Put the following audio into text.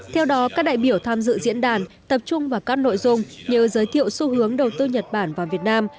theo đó các đại biểu tham dự diễn đàn tập trung vào các nội dung như giới thiệu xu hướng đầu tư nhật bản và việt nam